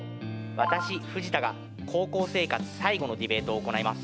私、藤田が高校生活最後のディベートを行います。